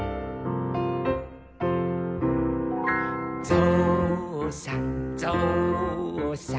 「ぞうさんぞうさん」